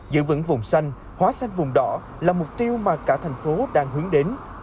giữ vững vùng xanh hóa xanh vùng đỏ là mục tiêu mà cả thành phố đang hướng đến